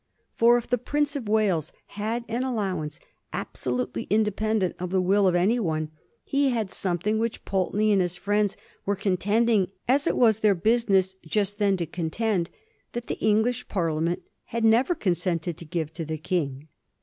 For, if the Prince of Wales had an allow ance absolutely independent of the will of any one, he had something which Pulteney and his friends were contend ing, as it was their business just then to contend, that the English Parliament had never consented to give to the King.